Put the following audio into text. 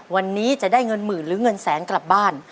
วันนี้จะได้เงินหมื่นหรือเงินแสนกลับบ้าน